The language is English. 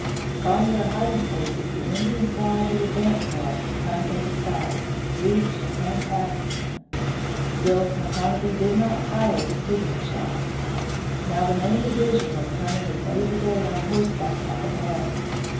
From their hiding places the Indians saw the advance guard come into sight, reach, and pass them. Still Micanopy did not fire the signal shot. Now the main division was coming with Major Dade on horseback at the head.